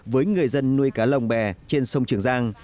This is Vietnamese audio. với người dân nuôi cá lồng bè trên sông trường giang